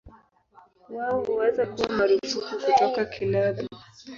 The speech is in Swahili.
Wao huweza kuwa marufuku kutoka kilabu.